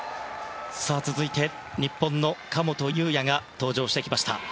続いて日本の神本雄也が登場しました。